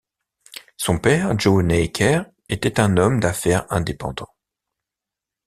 Son père, Joey Naicker était un homme d'affaires indépendant.